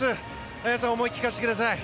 綾さん思いを聞かせてください。